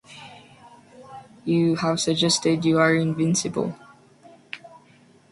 You have suggested you are invisible.